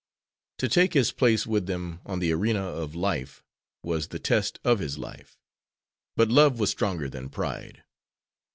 To take his place with them on the arena of life was the test of his life, but love was stronger than pride.